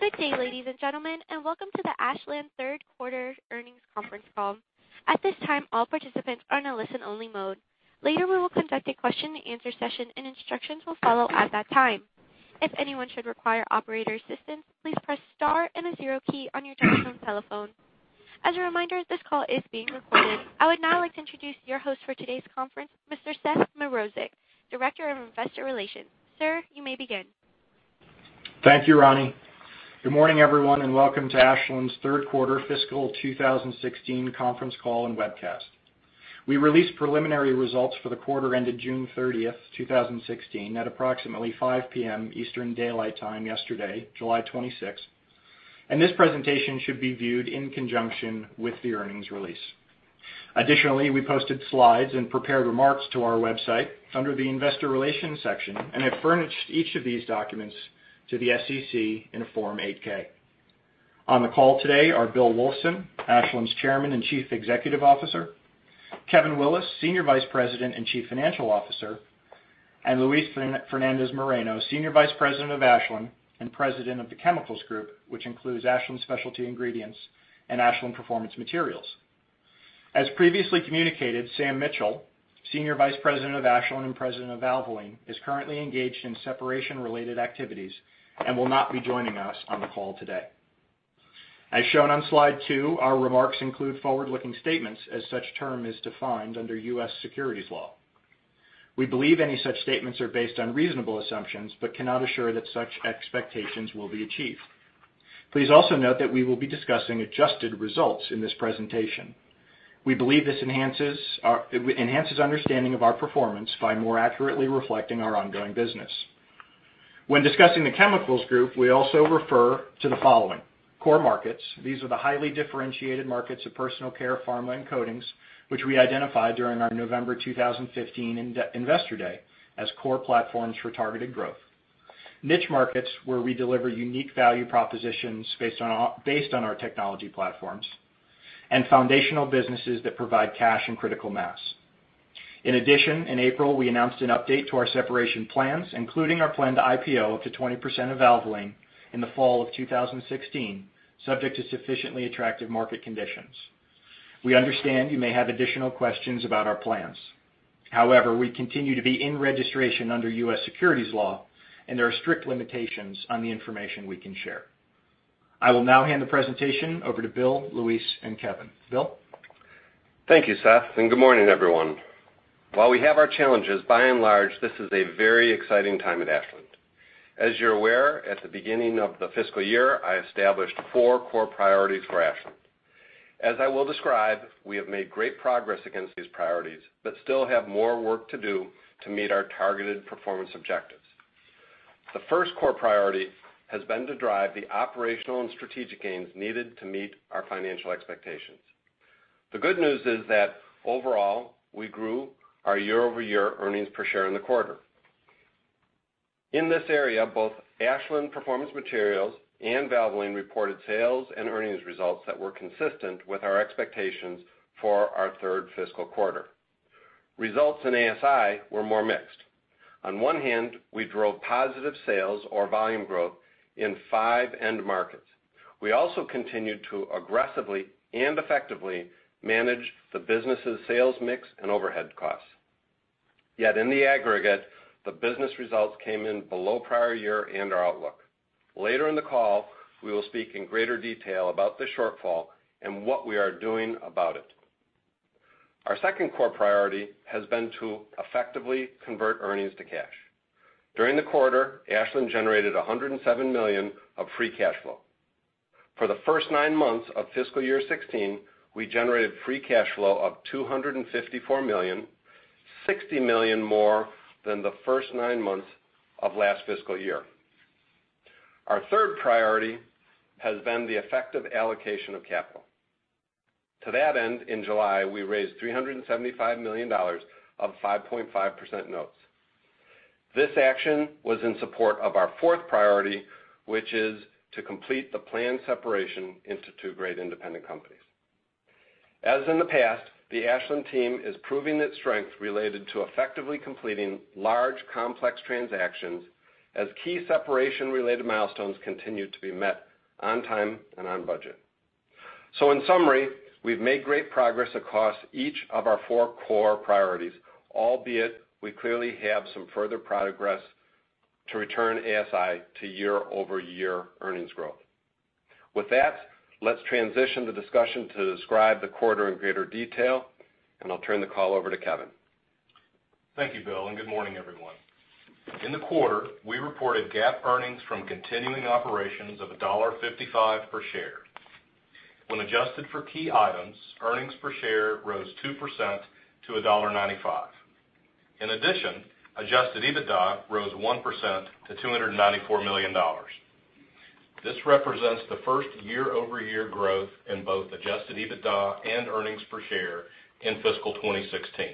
Good day, ladies and gentlemen, and welcome to the Ashland third quarter earnings conference call. At this time, all participants are in a listen-only mode. Later, we will conduct a question and answer session, and instructions will follow at that time. If anyone should require operator assistance, please press star and the zero key on your touch-tone telephone. As a reminder, this call is being recorded. I would now like to introduce your host for today's conference, Mr. Seth Mrozek, Director of Investor Relations. Sir, you may begin. Thank you, Roni. Good morning, everyone, and welcome to Ashland's third quarter fiscal 2016 conference call and webcast. We released preliminary results for the quarter ending June 30, 2016, at approximately 5:00 P.M. Eastern Daylight Time yesterday, July 26. This presentation should be viewed in conjunction with the earnings release. Additionally, we posted slides and prepared remarks to our website under the investor relations section and have furnished each of these documents to the SEC in a Form 8-K. On the call today are Bill Wulfsohn, Ashland's Chairman and Chief Executive Officer, Kevin Willis, Senior Vice President and Chief Financial Officer, and Luis Fernandez-Moreno, Senior Vice President of Ashland and President of the Chemicals Group, which includes Ashland Specialty Ingredients and Ashland Performance Materials. As previously communicated, Sam Mitchell, Senior Vice President of Ashland and President of Valvoline, is currently engaged in separation-related activities and will not be joining us on the call today. As shown on slide two, our remarks include forward-looking statements as such term is defined under U.S. securities laws. We believe any such statements are based on reasonable assumptions but cannot assure that such expectations will be achieved. Please also note that we will be discussing adjusted results in this presentation. We believe this enhances understanding of our performance by more accurately reflecting our ongoing business. When discussing the Chemicals Group, we also refer to the following. Core markets, these are the highly differentiated markets of personal care, pharma, and coatings, which we identified during our November 2015 investor day as core platforms for targeted growth. Niche markets, where we deliver unique value propositions based on our technology platforms, and foundational businesses that provide cash and critical mass. In addition, in April, we announced an update to our separation plans, including our plan to IPO up to 20% of Valvoline in the fall of 2016, subject to sufficiently attractive market conditions. We understand you may have additional questions about our plans. However, we continue to be in registration under U.S. securities laws, and there are strict limitations on the information we can share. I will now hand the presentation over to Bill, Luis, and Kevin. Bill? Thank you, Seth, and good morning, everyone. While we have our challenges, by and large, this is a very exciting time at Ashland. As you're aware, at the beginning of the fiscal year, I established four core priorities for Ashland. As I will describe, we have made great progress against these priorities but still have more work to do to meet our targeted performance objectives. The first core priority has been to drive the operational and strategic gains needed to meet our financial expectations. The good news is that overall, we grew our year-over-year earnings per share in the quarter. In this area, both Ashland Performance Materials and Valvoline reported sales and earnings results that were consistent with our expectations for our third fiscal quarter. Results in ASI were more mixed. On one hand, we drove positive sales or volume growth in five end markets. We also continued to aggressively and effectively manage the business's sales mix and overhead costs. Yet in the aggregate, the business results came in below prior year and our outlook. Later in the call, we will speak in greater detail about the shortfall and what we are doing about it. Our second core priority has been to effectively convert earnings to cash. During the quarter, Ashland generated $107 million of free cash flow. For the first nine months of fiscal year 2016, we generated free cash flow of $254 million, $60 million more than the first nine months of last fiscal year. Our third priority has been the effective allocation of capital. To that end, in July, we raised $375 million of 5.5% notes. This action was in support of our fourth priority, which is to complete the planned separation into two great independent companies. As in the past, the Ashland team is proving its strength related to effectively completing large, complex transactions as key separation-related milestones continue to be met on time and on budget. In summary, we've made great progress across each of our four core priorities, albeit we clearly have some further progress to return ASI to year-over-year earnings growth. With that, let's transition the discussion to describe the quarter in greater detail, and I'll turn the call over to Kevin. Thank you, Bill, and good morning, everyone. In the quarter, we reported GAAP earnings from continuing operations of $1.55 per share. When adjusted for key items, earnings per share rose 2% to $1.95. Adjusted EBITDA rose 1% to $294 million. This represents the first year-over-year growth in both adjusted EBITDA and earnings per share in fiscal 2016.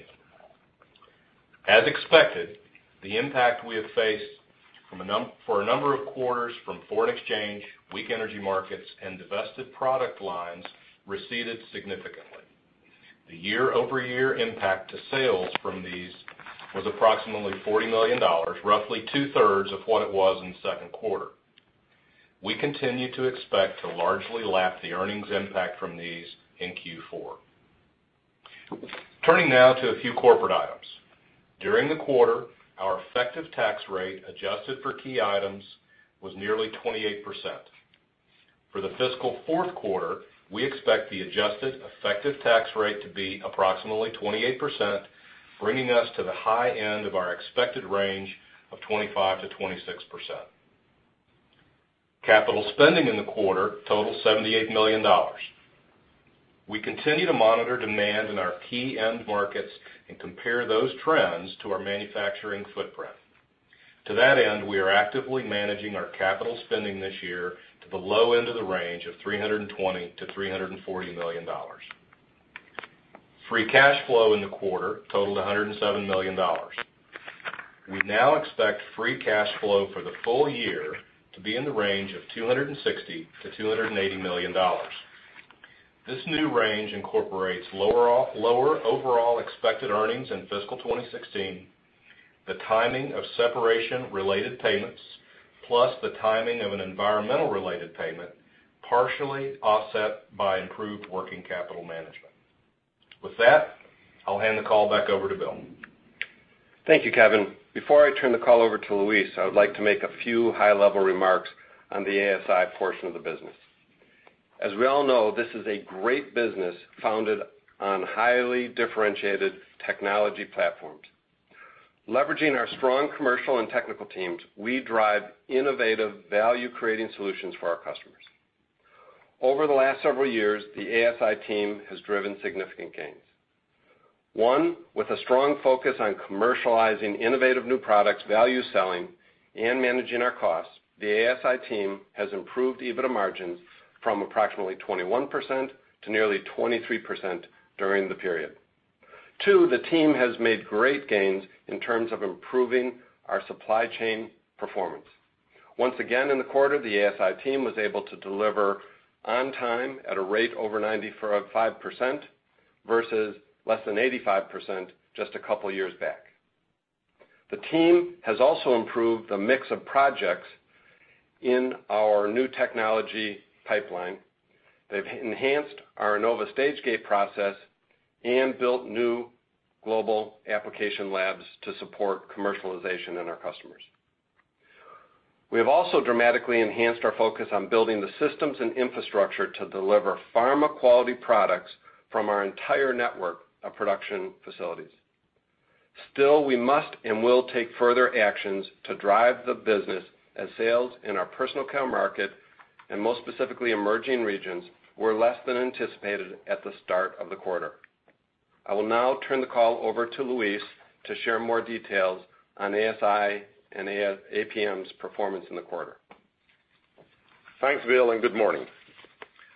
As expected, the impact we have faced for a number of quarters from foreign exchange, weak energy markets, and divested product lines receded significantly. The year-over-year impact to sales from these was approximately $40 million, roughly two-thirds of what it was in the second quarter. We continue to expect to largely lap the earnings impact from these in Q4. Turning now to a few corporate items. During the quarter, our effective tax rate, adjusted for key items, was nearly 28%. For the fiscal fourth quarter, we expect the adjusted effective tax rate to be approximately 28%, bringing us to the high end of our expected range of 25%-26%. Capital spending in the quarter totaled $78 million. We continue to monitor demand in our key end markets and compare those trends to our manufacturing footprint. To that end, we are actively managing our capital spending this year to the low end of the range of $320 million-$340 million. Free cash flow in the quarter totaled $107 million. We now expect free cash flow for the full year to be in the range of $260 million-$280 million. This new range incorporates lower overall expected earnings in fiscal 2016, the timing of separation-related payments, plus the timing of an environmental-related payment, partially offset by improved working capital management. With that, I'll hand the call back over to Bill. Thank you, Kevin. Before I turn the call over to Luis, I would like to make a few high-level remarks on the ASI portion of the business. As we all know, this is a great business founded on highly differentiated technology platforms. Leveraging our strong commercial and technical teams, we drive innovative value-creating solutions for our customers. Over the last several years, the ASI team has driven significant gains. One, with a strong focus on commercializing innovative new products, value selling, and managing our costs, the ASI team has improved EBITDA margins from approximately 21%-23% during the period. Two, the team has made great gains in terms of improving our supply chain performance. Once again, in the quarter, the ASI team was able to deliver on time at a rate over 95% versus less than 85% just a couple of years back. The team has also improved the mix of projects in our new technology pipeline. They've enhanced our Innova Stage-Gate process and built new global application labs to support commercialization in our customers. We have also dramatically enhanced our focus on building the systems and infrastructure to deliver pharma-quality products from our entire network of production facilities. Still, we must and will take further actions to drive the business as sales in our personal care market, and more specifically emerging regions, were less than anticipated at the start of the quarter. I will now turn the call over to Luis to share more details on ASI and APM's performance in the quarter. Thanks, Bill, and good morning.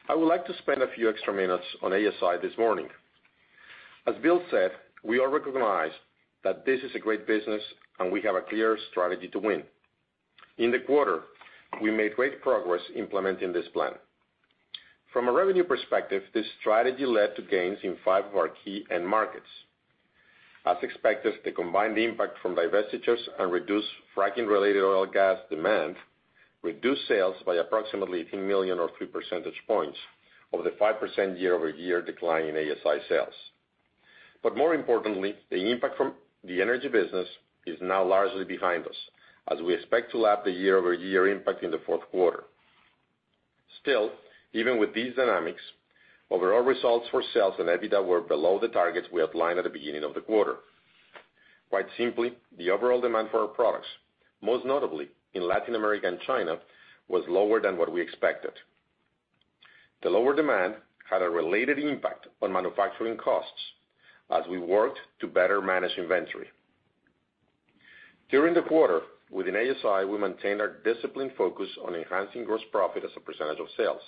I would like to spend a few extra minutes on ASI this morning. As Bill said, we all recognize that this is a great business and we have a clear strategy to win. In the quarter, we made great progress implementing this plan. From a revenue perspective, this strategy led to gains in five of our key end markets. As expected, the combined impact from divestitures and reduced fracking-related oil gas demand reduced sales by approximately $18 million or three percentage points over the 5% year-over-year decline in ASI sales. More importantly, the impact from the energy business is now largely behind us as we expect to lap the year-over-year impact in the fourth quarter. Still, even with these dynamics, overall results for sales and EBITDA were below the targets we outlined at the beginning of the quarter. Quite simply, the overall demand for our products, most notably in Latin America and China, was lower than what we expected. The lower demand had a related impact on manufacturing costs as we worked to better manage inventory. During the quarter, within ASI, we maintained our disciplined focus on enhancing gross profit as a percentage of sales.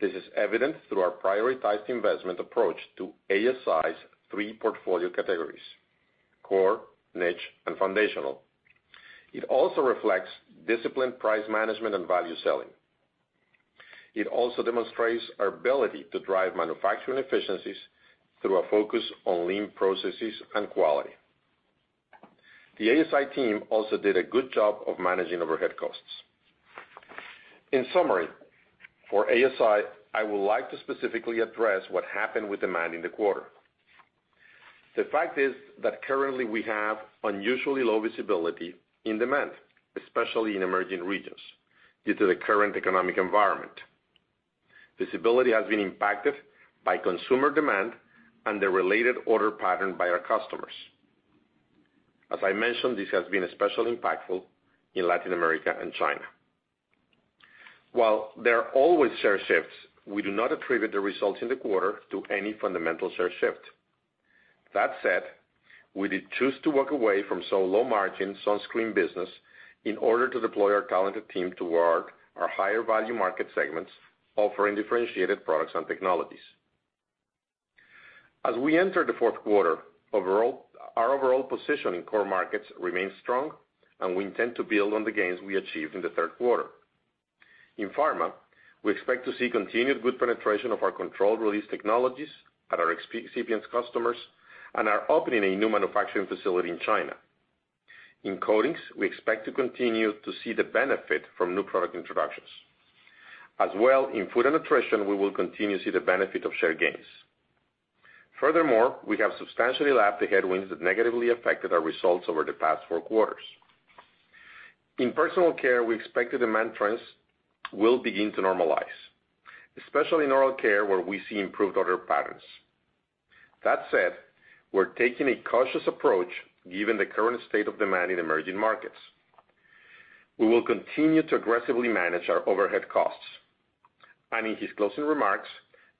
This is evident through our prioritized investment approach to ASI's three portfolio categories, core, niche, and foundational. It also reflects disciplined price management and value selling. It also demonstrates our ability to drive manufacturing efficiencies through a focus on lean processes and quality. The ASI team also did a good job of managing overhead costs. In summary, for ASI, I would like to specifically address what happened with demand in the quarter. The fact is that currently we have unusually low visibility in demand, especially in emerging regions, due to the current economic environment. Visibility has been impacted by consumer demand and the related order pattern by our customers. As I mentioned, this has been especially impactful in Latin America and China. While there are always share shifts, we do not attribute the results in the quarter to any fundamental share shift. That said, we did choose to walk away from some low-margin sunscreen business in order to deploy our talented team toward our higher-value market segments, offering differentiated products and technologies. As we enter the fourth quarter, our overall position in core markets remains strong and we intend to build on the gains we achieved in the third quarter. In pharma, we expect to see continued good penetration of our controlled release technologies at our excipient customers and are opening a new manufacturing facility in China. In coatings, we expect to continue to see the benefit from new product introductions. As well, in food and nutrition, we will continue to see the benefit of share gains. Furthermore, we have substantially lapped the headwinds that negatively affected our results over the past four quarters. In personal care, we expect the demand trends will begin to normalize, especially in oral care, where we see improved order patterns. That said, we're taking a cautious approach given the current state of demand in emerging markets. We will continue to aggressively manage our overhead costs. In his closing remarks,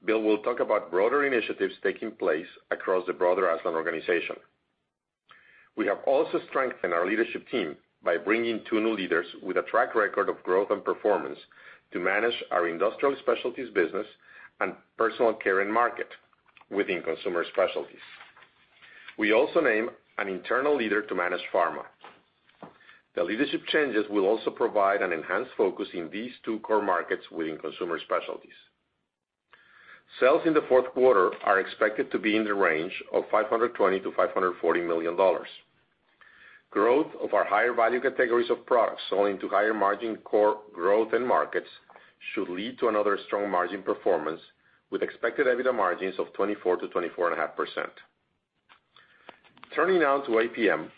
Bill will talk about broader initiatives taking place across the broader Ashland organization. We have also strengthened our leadership team by bringing two new leaders with a track record of growth and performance to manage our industrial specialties business and personal care end market within consumer specialties. We also named an internal leader to manage pharma. The leadership changes will also provide an enhanced focus in these two core markets within consumer specialties. Sales in the fourth quarter are expected to be in the range of $520 million-$540 million. Growth of our higher value categories of products selling to higher margin core growth end markets should lead to another strong margin performance with expected EBITDA margins of 24%-24.5%. Turning now to APM.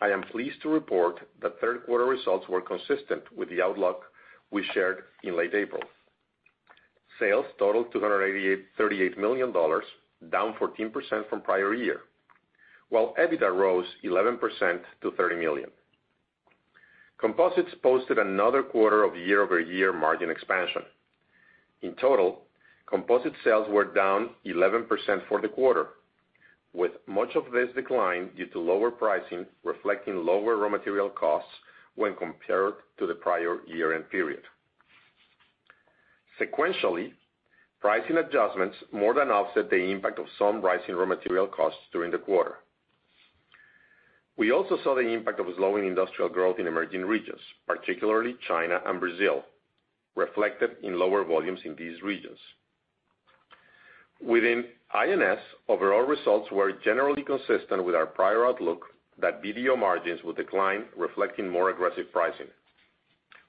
I am pleased to report that third quarter results were consistent with the outlook we shared in late April. Sales totaled $238 million, down 14% from prior year, while EBITDA rose 11% to $30 million. Composites posted another quarter of year-over-year margin expansion. In total, composite sales were down 11% for the quarter, with much of this decline due to lower pricing reflecting lower raw material costs when compared to the prior year-end period. Sequentially, pricing adjustments more than offset the impact of some rising raw material costs during the quarter. We also saw the impact of slowing industrial growth in emerging regions, particularly China and Brazil, reflected in lower volumes in these regions. Within INS, overall results were generally consistent with our prior outlook that BDO margins would decline, reflecting more aggressive pricing.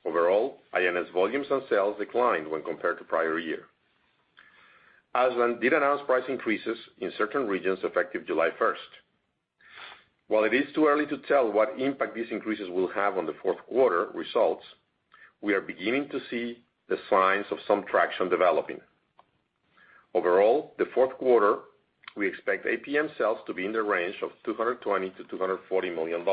Overall, INS volumes and sales declined when compared to prior year. Ashland did announce price increases in certain regions effective July 1st. While it is too early to tell what impact these increases will have on the fourth quarter results, we are beginning to see the signs of some traction developing. The fourth quarter, we expect APM sales to be in the range of $220 million-$240 million.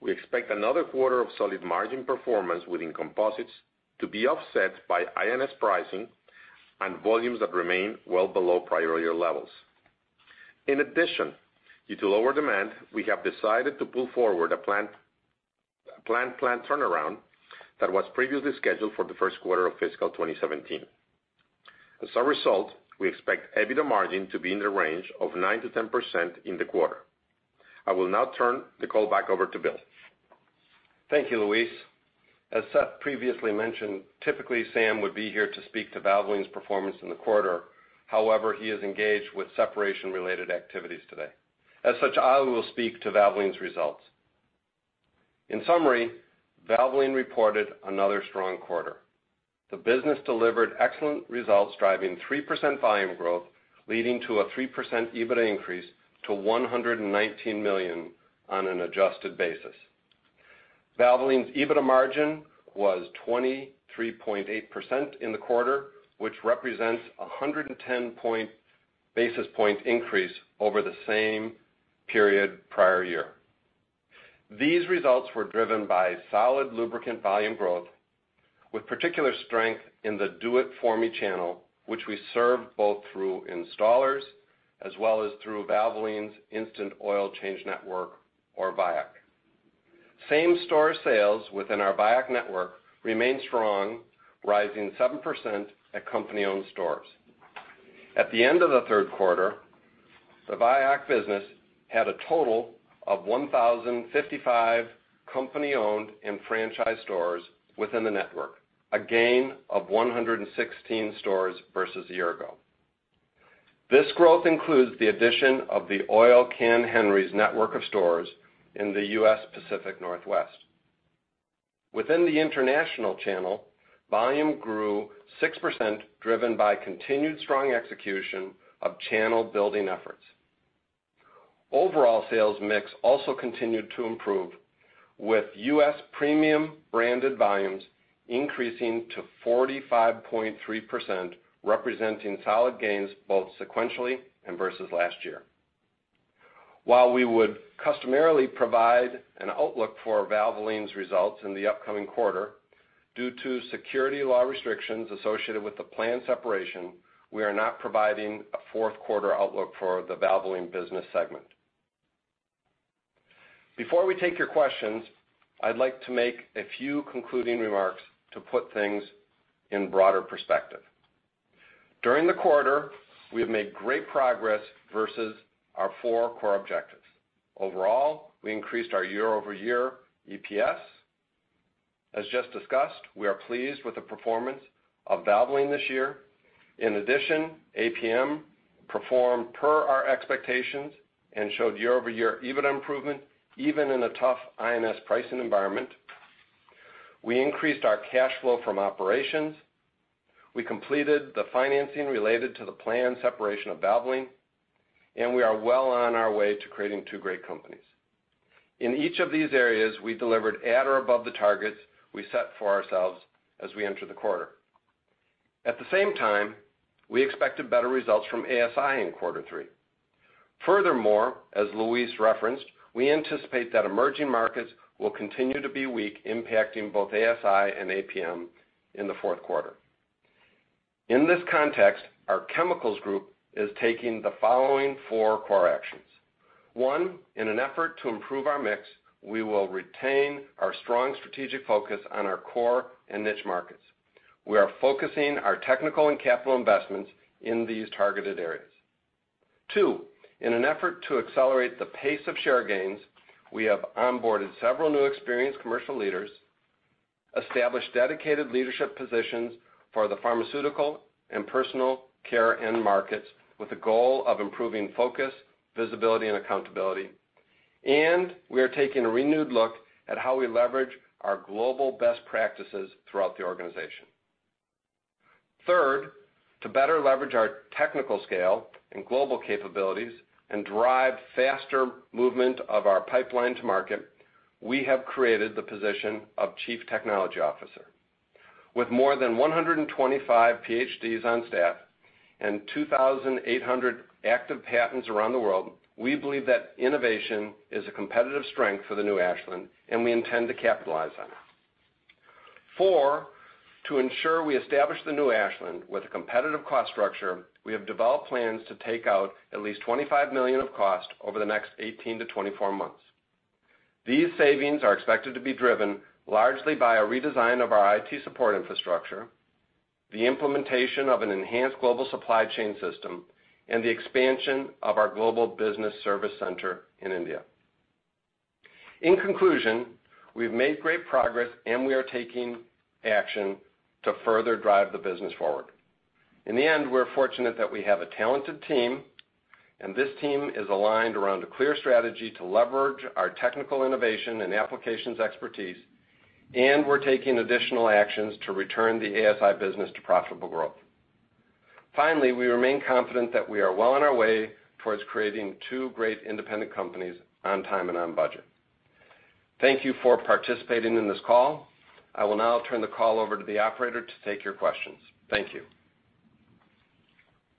We expect another quarter of solid margin performance within composites to be offset by INS pricing and volumes that remain well below prior year levels. In addition, due to lower demand, we have decided to pull forward a planned plant turnaround that was previously scheduled for the first quarter of fiscal 2017. As a result, we expect EBITDA margin to be in the range of 9%-10% in the quarter. I will now turn the call back over to Bill. Thank you, Luis. As Seth previously mentioned, typically Sam would be here to speak to Valvoline's performance in the quarter. However, he is engaged with separation-related activities today. As such, I will speak to Valvoline's results. In summary, Valvoline reported another strong quarter. The business delivered excellent results, driving 3% volume growth, leading to a 3% EBITDA increase to $119 million on an adjusted basis. Valvoline's EBITDA margin was 23.8% in the quarter, which represents a 110 basis point increase over the same period prior year. These results were driven by solid lubricant volume growth, with particular strength in the do-it-for-me channel, which we serve both through installers as well as through Valvoline Instant Oil Change network or VIOC. Same-store sales within our VIOC network remained strong, rising 7% at company-owned stores. At the end of the third quarter, the VIOC business had a total of 1,055 company-owned and franchised stores within the network, a gain of 116 stores versus a year ago. This growth includes the addition of the Oil Can Henry's network of stores in the U.S. Pacific Northwest. Within the international channel, volume grew 6%, driven by continued strong execution of channel building efforts. Overall sales mix also continued to improve, with U.S. premium branded volumes increasing to 45.3%, representing solid gains both sequentially and versus last year. While we would customarily provide an outlook for Valvoline's results in the upcoming quarter, due to security law restrictions associated with the planned separation, we are not providing a fourth quarter outlook for the Valvoline business segment. Before we take your questions, I'd like to make a few concluding remarks to put things in broader perspective. During the quarter, we have made great progress versus our four core objectives. Overall, we increased our year-over-year EPS. As just discussed, we are pleased with the performance of Valvoline this year. In addition, APM performed per our expectations and showed year-over-year EBITDA improvement even in a tough INS pricing environment. We increased our cash flow from operations. We completed the financing related to the planned separation of Valvoline, and we are well on our way to creating two great companies. In each of these areas, we delivered at or above the targets we set for ourselves as we entered the quarter. At the same time, we expected better results from ASI in quarter three. As Luis referenced, we anticipate that emerging markets will continue to be weak, impacting both ASI and APM in the fourth quarter. In this context, our Chemicals Group is taking the following four core actions. One. In an effort to improve our mix, we will retain our strong strategic focus on our core and niche markets. We are focusing our technical and capital investments in these targeted areas. Two. In an effort to accelerate the pace of share gains, we have onboarded several new experienced commercial leaders, established dedicated leadership positions for the pharmaceutical and personal care end markets, with the goal of improving focus, visibility, and accountability. We are taking a renewed look at how we leverage our global best practices throughout the organization. Third. To better leverage our technical scale and global capabilities and drive faster movement of our pipeline to market, we have created the position of chief technology officer. With more than 125 PhDs on staff and 2,800 active patents around the world, we believe that innovation is a competitive strength for the new Ashland, and we intend to capitalize on it. Four. To ensure we establish the new Ashland with a competitive cost structure, we have developed plans to take out at least $25 million of cost over the next 18 months-24 months. These savings are expected to be driven largely by a redesign of our IT support infrastructure, the implementation of an enhanced global supply chain system, and the expansion of our global business service center in India. In conclusion, we've made great progress. We are taking action to further drive the business forward. We're fortunate that we have a talented team, this team is aligned around a clear strategy to leverage our technical innovation and applications expertise, we're taking additional actions to return the ASI business to profitable growth. We remain confident that we are well on our way towards creating two great independent companies on time and on budget. Thank you for participating in this call. I will now turn the call over to the operator to take your questions. Thank you.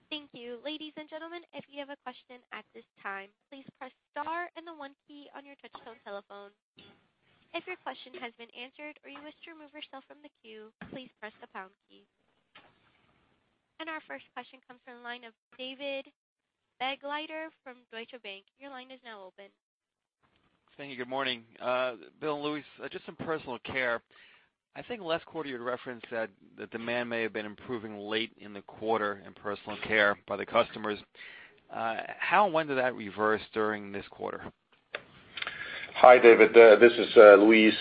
Thank you. Ladies and gentlemen, if you have a question at this time, please press star and the one key on your touchtone telephone. If your question has been answered or you wish to remove yourself from the queue, please press the pound key. Our first question comes from the line of David Begleiter from Deutsche Bank. Your line is now open. Thank you. Good morning. Bill and Luis, just some personal care. I think last quarter you had referenced that the demand may have been improving late in the quarter in personal care by the customers. How and when did that reverse during this quarter? Hi, David. This is Luis.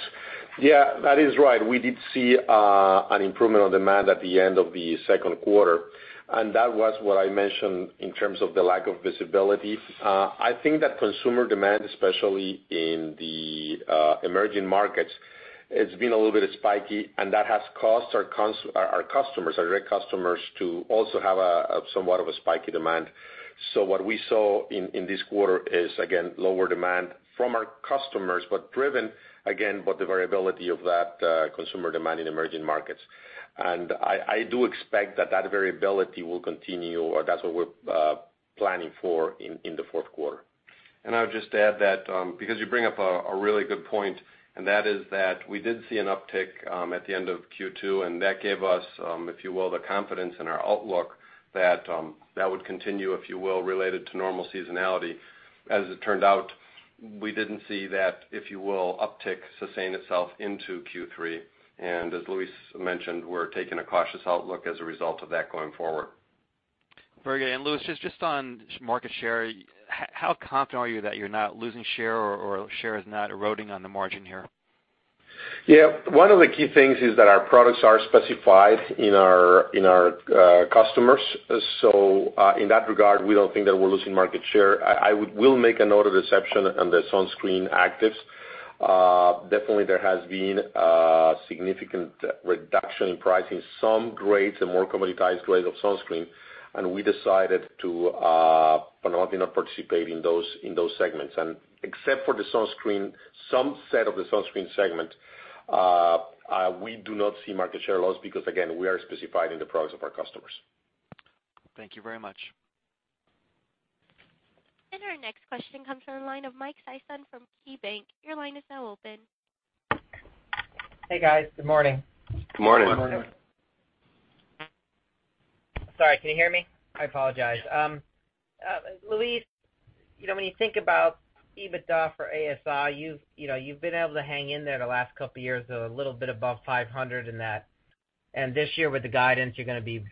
Yeah, that is right. We did see an improvement on demand at the end of the second quarter, that was what I mentioned in terms of the lack of visibility. I think that consumer demand, especially in the emerging markets, has been a little bit spiky, that has caused our direct customers to also have somewhat of a spiky demand. What we saw in this quarter is, again, lower demand from our customers, driven, again, by the variability of that consumer demand in emerging markets. I do expect that variability will continue, or that's what we're planning for in the fourth quarter. I would just add that, because you bring up a really good point, and that is that we did see an uptick at the end of Q2, and that gave us, if you will, the confidence in our outlook that that would continue, if you will, related to normal seasonality. As it turned out, we didn't see that, if you will, uptick sustain itself into Q3. As Luis mentioned, we're taking a cautious outlook as a result of that going forward. Very good. Luis, just on market share, how confident are you that you're not losing share or share is not eroding on the margin here? Yeah. One of the key things is that our products are specified in our customers. In that regard, we don't think that we're losing market share. I will make a note of exception on the sunscreen actives. Definitely, there has been a significant reduction in pricing, some grades and more commoditized grades of sunscreen, and we decided to not participate in those segments. Except for the sunscreen, some set of the sunscreen segment, we do not see market share loss because, again, we are specified in the products of our customers. Thank you very much. Our next question comes from the line of Michael Sison from KeyBank. Your line is now open. Hey, guys. Good morning. Good morning. Good morning. Sorry, can you hear me? I apologize. Luis, when you think about EBITDA for ASI, you've been able to hang in there the last couple of years, a little bit above $500. This year with the guidance, you're going to be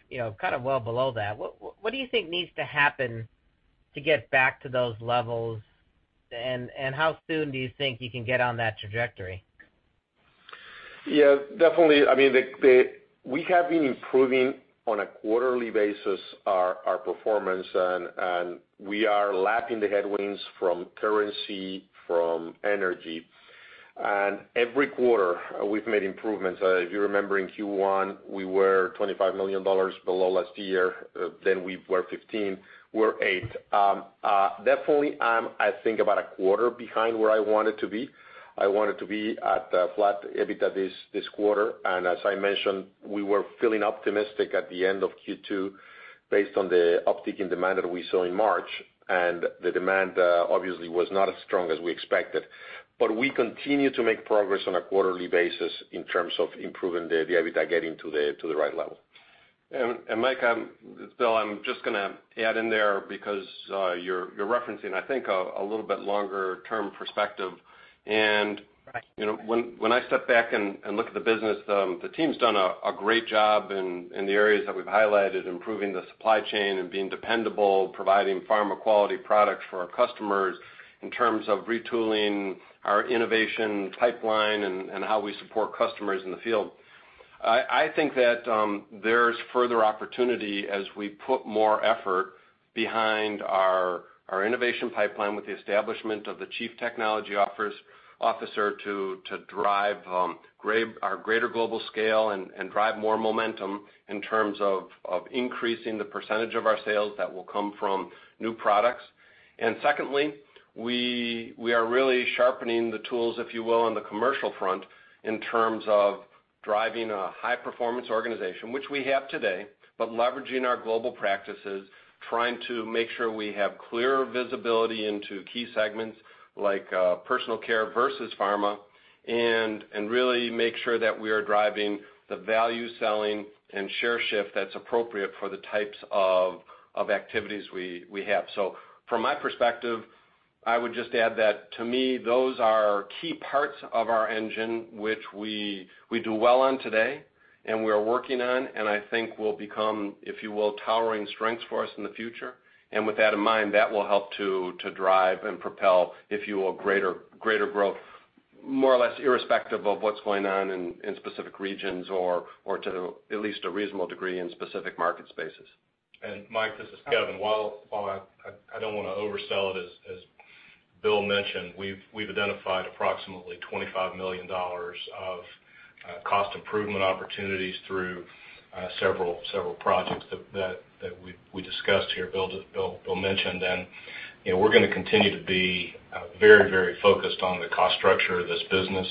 well below that. What do you think needs to happen to get back to those levels and how soon do you think you can get on that trajectory? Yeah, definitely. We have been improving on a quarterly basis our performance, and we are lapping the headwinds from currency, from energy. Every quarter, we've made improvements. If you remember in Q1, we were $25 million below last year, then we were $15 million, we're $8 million. Definitely, I'm, I think, about a quarter behind where I wanted to be. I wanted to be at flat EBITDA this quarter. As I mentioned, we were feeling optimistic at the end of Q2 based on the uptick in demand that we saw in March, and the demand obviously was not as strong as we expected. We continue to make progress on a quarterly basis in terms of improving the EBITDA getting to the right level. Mike, Bill, I'm just going to add in there because you're referencing, I think, a little bit longer term perspective. Right When I step back and look at the business, the team's done a great job in the areas that we've highlighted, improving the supply chain and being dependable, providing pharma quality products for our customers in terms of retooling our innovation pipeline and how we support customers in the field. I think that there's further opportunity as we put more effort behind our innovation pipeline with the establishment of the Chief Technology Officer to drive our greater global scale and drive more momentum in terms of increasing the % of our sales that will come from new products. Secondly, we are really sharpening the tools, if you will, on the commercial front in terms of driving a high performance organization, which we have today, but leveraging our global practices, trying to make sure we have clearer visibility into key segments like personal care versus pharma, and really make sure that we are driving the value selling and share shift that's appropriate for the types of activities we have. From my perspective, I would just add that to me, those are key parts of our engine, which we do well on today and we're working on, and I think will become, if you will, towering strengths for us in the future. With that in mind, that will help to drive and propel, if you will, greater growth, more or less irrespective of what's going on in specific regions or to at least a reasonable degree in specific market spaces. Mike, this is Kevin. While I don't want to oversell it, as Bill mentioned, we've identified approximately $25 million of cost improvement opportunities through several projects that we discussed here, Bill mentioned, and we're going to continue to be very focused on the cost structure of this business,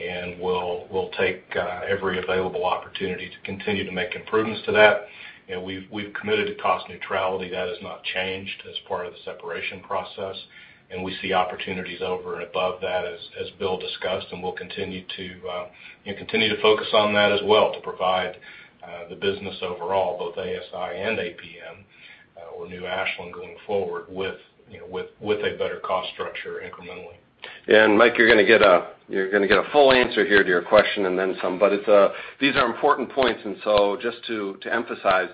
and we'll take every available opportunity to continue to make improvements to that. We've committed to cost neutrality. That has not changed as part of the separation process. We see opportunities over and above that as Bill discussed, and we'll continue to focus on that as well to provide the business overall, both ASI and APM, or new Ashland going forward with a better cost structure incrementally. Mike, you're going to get a full answer here to your question, and then some. These are important points. Just to emphasize,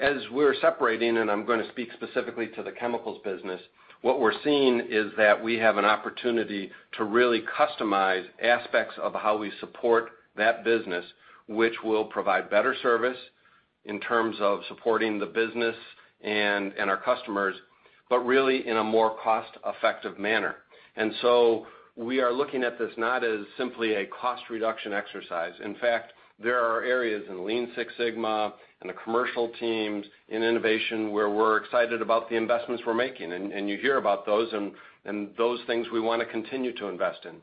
as we're separating, and I'm going to speak specifically to the chemicals business, what we're seeing is that we have an opportunity to really customize aspects of how we support that business, which will provide better service in terms of supporting the business and our customers, but really in a more cost-effective manner. We are looking at this not as simply a cost reduction exercise. In fact, there are areas in Lean Six Sigma and the commercial teams in innovation where we're excited about the investments we're making, and you hear about those, and those things we want to continue to invest in.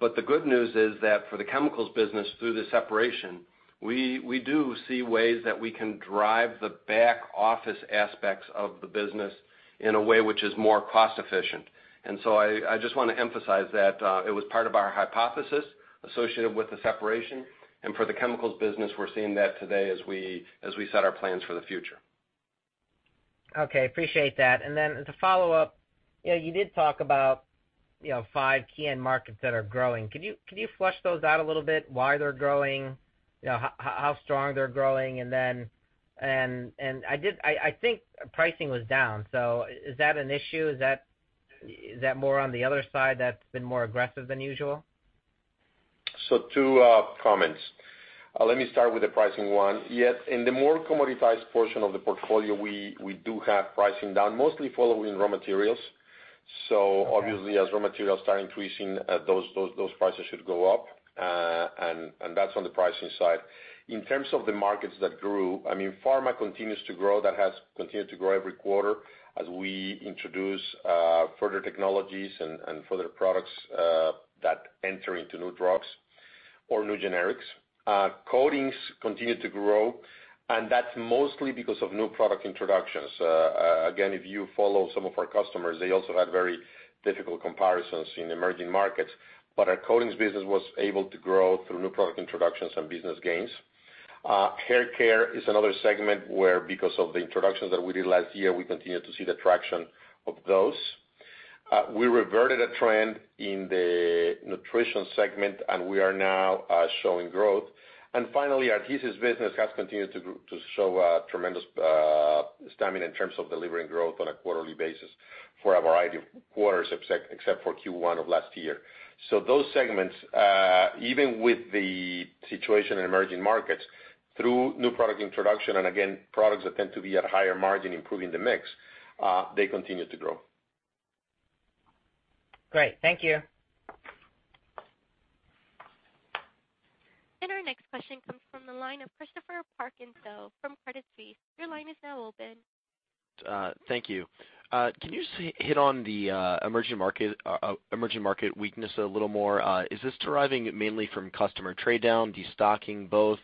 The good news is that for the chemicals business through the separation, we do see ways that we can drive the back office aspects of the business in a way which is more cost efficient. I just want to emphasize that it was part of our hypothesis associated with the separation, and for the chemicals business, we're seeing that today as we set our plans for the future. Okay, appreciate that. As a follow-up, you did talk about five key end markets that are growing. Can you flesh those out a little bit? Why they're growing, how strong they're growing, and I think pricing was down. Is that an issue? Is that more on the other side that's been more aggressive than usual? Two comments. Let me start with the pricing one. Yes, in the more commoditized portion of the portfolio, we do have pricing down, mostly following raw materials. Obviously as raw materials start increasing, those prices should go up. That's on the pricing side. In terms of the markets that grew, pharma continues to grow. That has continued to grow every quarter as we introduce further technologies and further products that enter into new drugs or new generics. Coatings continued to grow, and that's mostly because of new product introductions. Again, if you follow some of our customers, they also had very difficult comparisons in emerging markets. Our coatings business was able to grow through new product introductions and business gains. Hair care is another segment where, because of the introductions that we did last year, we continue to see the traction of those. We reverted a trend in the nutrition segment, we are now showing growth. Finally, adhesives business has continued to show tremendous stamina in terms of delivering growth on a quarterly basis for a variety of quarters, except for Q1 of last year. Those segments, even with the situation in emerging markets, through new product introduction, and again, products that tend to be at a higher margin improving the mix, they continue to grow. Great. Thank you. Our next question comes from the line of Christopher Parkinson from Credit Suisse. Your line is now open. Thank you. Can you hit on the emerging market weakness a little more? Is this deriving mainly from customer trade down, de-stocking, both?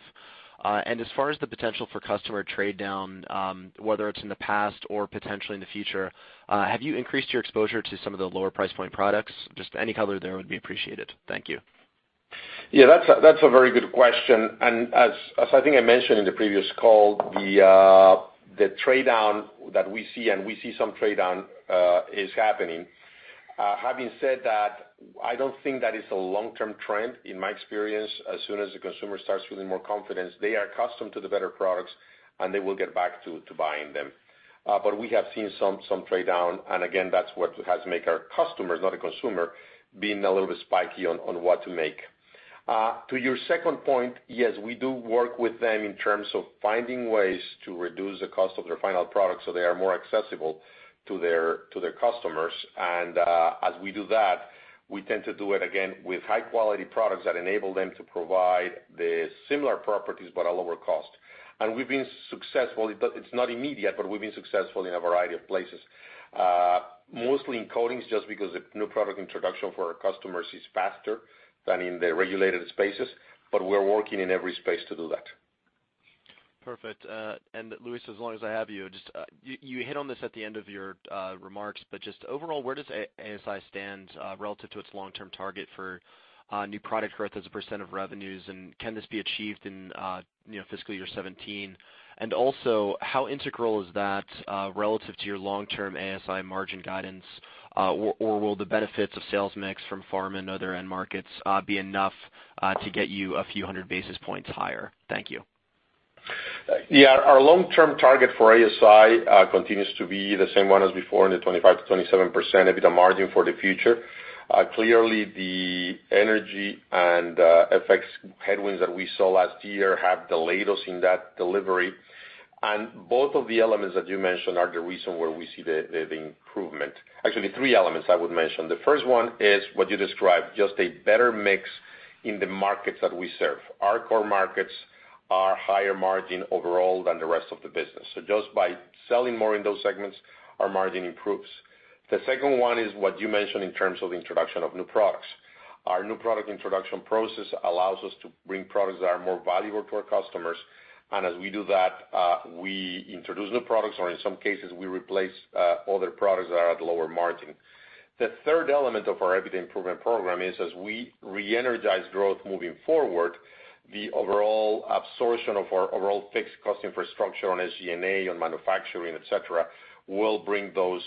As far as the potential for customer trade down, whether it's in the past or potentially in the future, have you increased your exposure to some of the lower price point products? Just any color there would be appreciated. Thank you. Yeah, that's a very good question. As I think I mentioned in the previous call, the trade down that we see, and we see some trade down is happening. Having said that, I don't think that it's a long-term trend. In my experience, as soon as the consumer starts feeling more confidence, they are accustomed to the better products, and they will get back to buying them. We have seen some trade down, and again, that's what has to make our customers, not a consumer, being a little bit spiky on what to make. To your second point, yes, we do work with them in terms of finding ways to reduce the cost of their final product so they are more accessible to their customers. As we do that, we tend to do it again with high-quality products that enable them to provide the similar properties but at a lower cost. We've been successful. It's not immediate, but we've been successful in a variety of places. Mostly in coatings, just because the new product introduction for our customers is faster than in the regulated spaces, but we're working in every space to do that. Perfect. Luis, as long as I have you hit on this at the end of your remarks, but just overall, where does ASI stand relative to its long-term target for new product growth as a percent of revenues, and can this be achieved in fiscal year 2017? Also, how integral is that relative to your long-term ASI margin guidance? Or will the benefits of sales mix from pharma and other end markets be enough to get you a few hundred basis points higher? Thank you. Yeah. Our long-term target for ASI continues to be the same one as before in the 25%-27% EBITDA margin for the future. Clearly, the energy and FX headwinds that we saw last year have delayed us in that delivery. Both of the elements that you mentioned are the reason where we see the improvement. Actually, three elements I would mention. The first one is what you described, just a better mix in the markets that we serve. Our core markets are higher margin overall than the rest of the business. Just by selling more in those segments, our margin improves. The second one is what you mentioned in terms of introduction of new products. Our new product introduction process allows us to bring products that are more valuable to our customers. As we do that, we introduce new products, or in some cases, we replace other products that are at lower margin. The third element of our EBITDA improvement program is as we re-energize growth moving forward, the overall absorption of our overall fixed cost infrastructure on SG&A, on manufacturing, et cetera, will bring those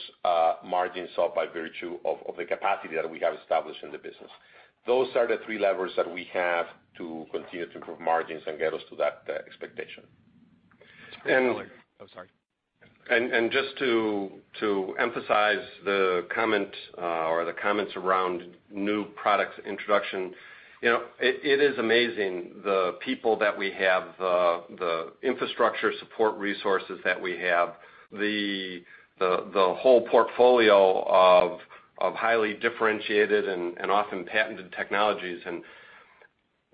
margins up by virtue of the capacity that we have established in the business. Those are the three levers that we have to continue to improve margins and get us to that expectation. And- Oh, sorry. Just to emphasize the comment, or the comments around new products introduction. It is amazing the people that we have, the infrastructure support resources that we have, the whole portfolio of highly differentiated and often patented technologies.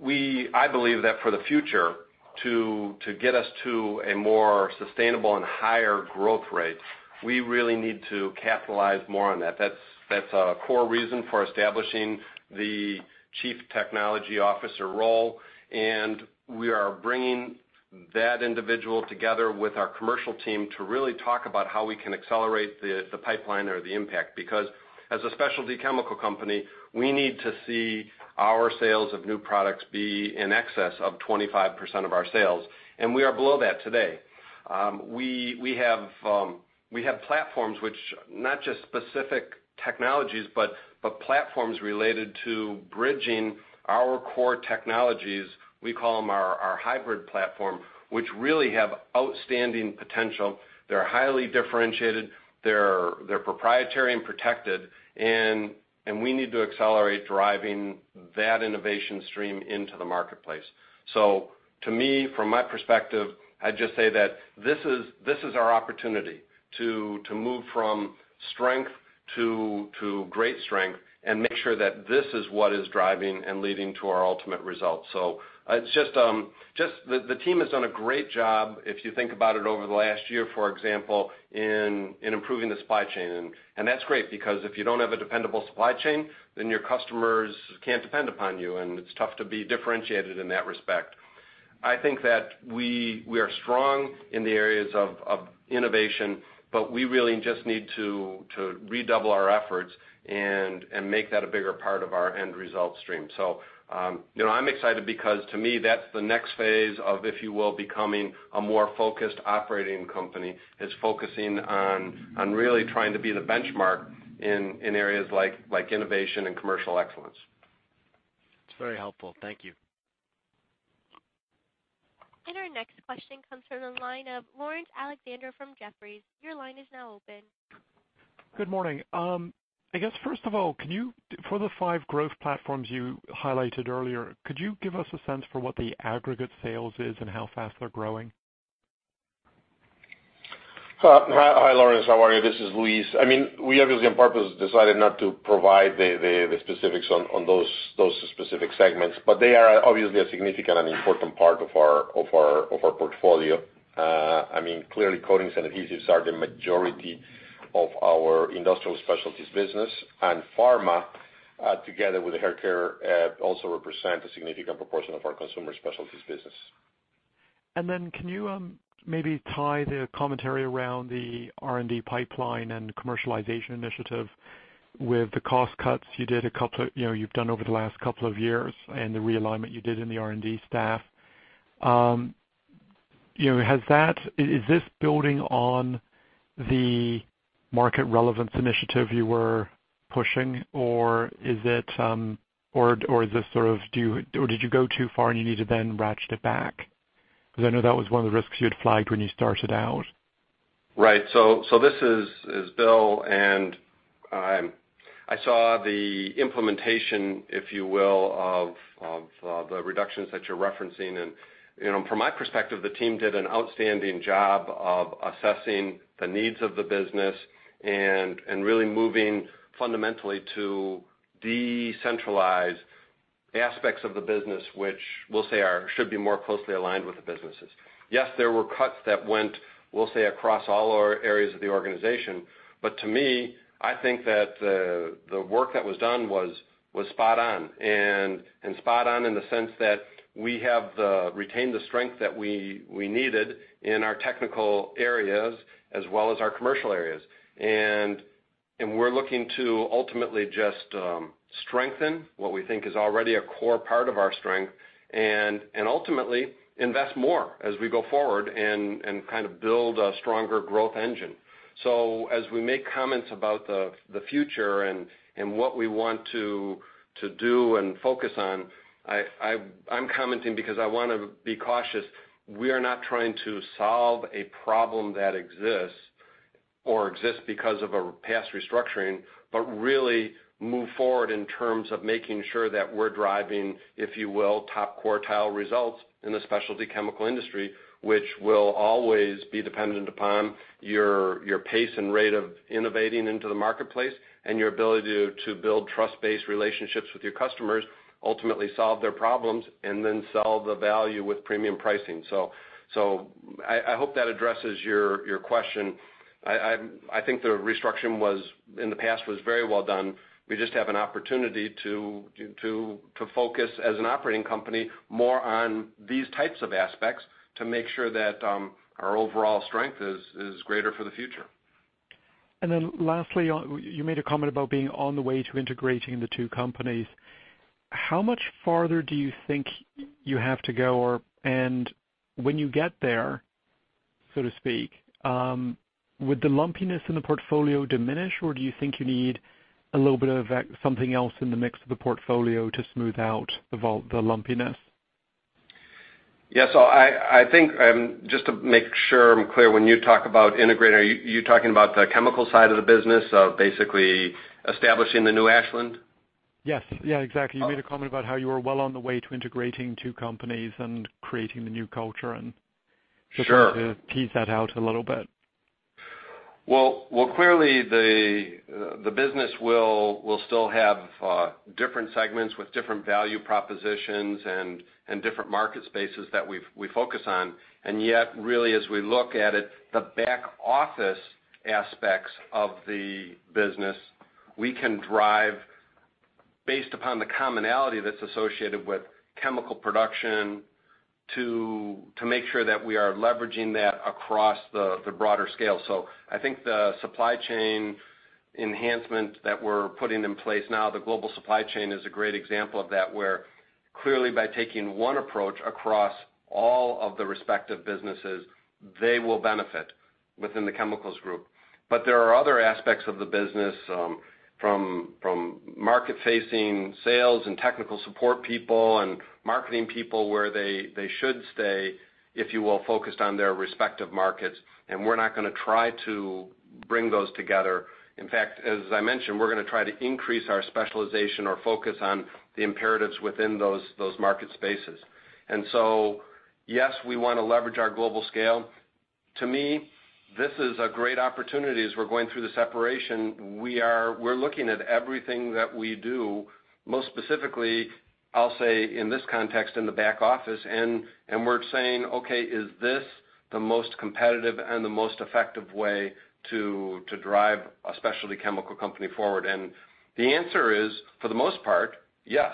I believe that for the future, to get us to a more sustainable and higher growth rate, we really need to capitalize more on that. That's a core reason for establishing the chief technology officer role, and we are bringing that individual together with our commercial team to really talk about how we can accelerate the pipeline or the impact. As a specialty chemical company, we need to see our sales of new products be in excess of 25% of our sales, and we are below that today. We have platforms, which not just specific technologies, but platforms related to bridging our core technologies, we call them our hybrid platform, which really have outstanding potential. They're highly differentiated. They're proprietary and protected, and we need to accelerate driving that innovation stream into the marketplace. To me, from my perspective, I'd just say that this is our opportunity to move from strength to great strength and make sure that this is what is driving and leading to our ultimate results. The team has done a great job, if you think about it over the last year, for example, in improving the supply chain. That's great, because if you don't have a dependable supply chain, then your customers can't depend upon you, and it's tough to be differentiated in that respect. I think that we are strong in the areas of innovation, but we really just need to redouble our efforts and make that a bigger part of our end result stream. I'm excited because to me, that's the next phase of, if you will, becoming a more focused operating company, is focusing on really trying to be the benchmark in areas like innovation and commercial excellence. It's very helpful. Thank you. Our next question comes from the line of Laurence Alexander from Jefferies. Your line is now open. Good morning. I guess, first of all, for the five growth platforms you highlighted earlier, could you give us a sense for what the aggregate sales is and how fast they're growing? Hi, Laurence. How are you? This is Luis. We obviously on purpose decided not to provide the specifics on those specific segments, they are obviously a significant and important part of our portfolio. Clearly, coatings and adhesives are the majority of our industrial specialties business, and pharma, together with the hair care, also represent a significant proportion of our consumer specialties business. Can you maybe tie the commentary around the R&D pipeline and commercialization initiative with the cost cuts you've done over the last couple of years and the realignment you did in the R&D staff? Is this building on the market relevance initiative you were pushing, or did you go too far and you need to then ratchet it back? I know that was one of the risks you had flagged when you started out. Right. This is Bill, I saw the implementation, if you will, of the reductions that you're referencing. From my perspective, the team did an outstanding job of assessing the needs of the business and really moving fundamentally to decentralize aspects of the business, which we'll say should be more closely aligned with the businesses. Yes, there were cuts that went, we'll say, across all our areas of the organization. To me, I think that the work that was done was spot on, and spot on in the sense that we have retained the strength that we needed in our technical areas as well as our commercial areas. We're looking to ultimately just strengthen what we think is already a core part of our strength, and ultimately invest more as we go forward and build a stronger growth engine. As we make comments about the future and what we want to do and focus on, I'm commenting because I want to be cautious. We are not trying to solve a problem that exists, or exists because of a past restructuring, but really move forward in terms of making sure that we're driving, if you will, top quartile results in the specialty chemical industry. Which will always be dependent upon your pace and rate of innovating into the marketplace and your ability to build trust-based relationships with your customers, ultimately solve their problems, and then sell the value with premium pricing. I hope that addresses your question. I think the restructuring in the past was very well done. We just have an opportunity to focus as an operating company more on these types of aspects to make sure that our overall strength is greater for the future. Lastly, you made a comment about being on the way to integrating the 2 companies. How much farther do you think you have to go? When you get there, so to speak, would the lumpiness in the portfolio diminish, or do you think you need a little bit of something else in the mix of the portfolio to smooth out the lumpiness? Yeah. I think, just to make sure I'm clear, when you talk about integrating, are you talking about the chemical side of the business, basically establishing the new Ashland? Yes. Exactly. You made a comment about how you were well on the way to integrating two companies and creating the new culture. Sure I just want to tease that out a little bit. Well, clearly the business will still have different segments with different value propositions and different market spaces that we focus on. Yet, really, as we look at it, the back office aspects of the business, we can drive based upon the commonality that's associated with chemical production to make sure that we are leveraging that across the broader scale. I think the supply chain enhancement that we're putting in place now, the global supply chain is a great example of that, where clearly by taking one approach across all of the respective businesses, they will benefit within the Chemicals Group. There are other aspects of the business, from market-facing sales and technical support people and marketing people, where they should stay, if you will, focused on their respective markets, and we're not going to try to bring those together. In fact, as I mentioned, we're going to try to increase our specialization or focus on the imperatives within those market spaces. Yes, we want to leverage our global scale. To me, this is a great opportunity. As we're going through the separation, we're looking at everything that we do, most specifically, I'll say in this context, in the back office, and we're saying, okay, is this the most competitive and the most effective way to drive a specialty chemical company forward? The answer is, for the most part, yes.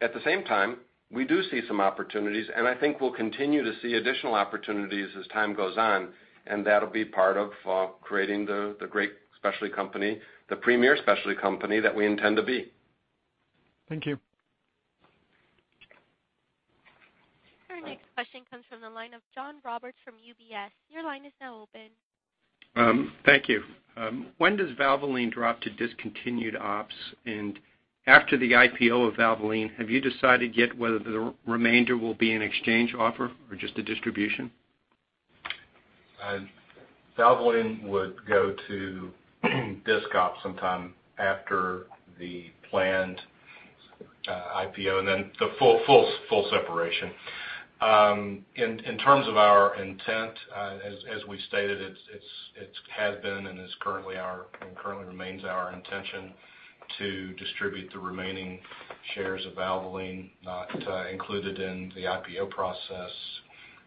At the same time, we do see some opportunities, and I think we'll continue to see additional opportunities as time goes on, and that'll be part of creating the great specialty company, the premier specialty company that we intend to be. Thank you. Our next question comes from the line of John Roberts from UBS. Your line is now open. Thank you. When does Valvoline drop to discontinued ops? After the IPO of Valvoline, have you decided yet whether the remainder will be an exchange offer or just a distribution? Valvoline would go to discontinued operations sometime after the planned IPO, and then the full separation. In terms of our intent, as we stated, it has been and currently remains our intention to distribute the remaining shares of Valvoline not included in the IPO process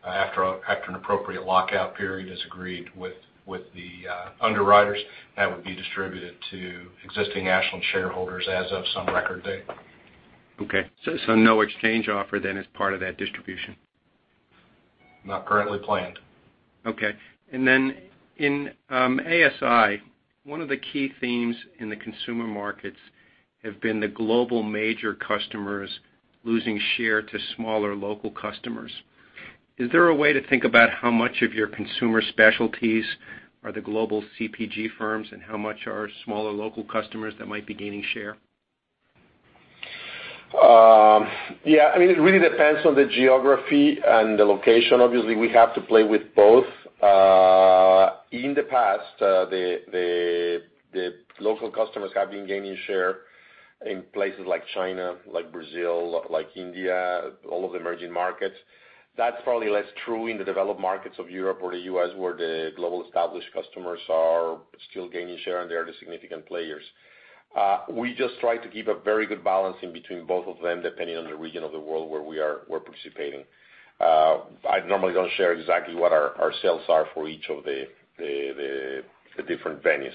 after an appropriate lockout period is agreed with the underwriters. That would be distributed to existing Ashland shareholders as of some record date. Okay, no exchange offer as part of that distribution? Not currently planned. Okay. In ASI, one of the key themes in the consumer markets have been the global major customers losing share to smaller local customers. Is there a way to think about how much of your consumer specialties are the global CPG firms, and how much are smaller local customers that might be gaining share? Yeah, it really depends on the geography and the location. Obviously, we have to play with both. In the past, the local customers have been gaining share in places like China, like Brazil, like India, all of the emerging markets. That's probably less true in the developed markets of Europe or the U.S., where the global established customers are still gaining share, and they are the significant players. We just try to keep a very good balance in between both of them, depending on the region of the world where we're participating. I normally don't share exactly what our sales are for each of the different venues.